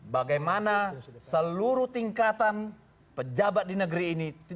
bagaimana seluruh tingkatan pejabat di negeri ini